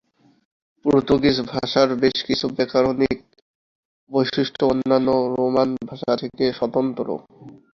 Portuguese ভাষার বেশ কিছু ব্যাকরণিক বৈশিষ্ট্য অন্যান্য রোমান ভাষা থেকে স্বতন্ত্র।